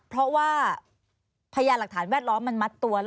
เพราะว่าพยานหลักฐานแวดล้อมมันมัดตัว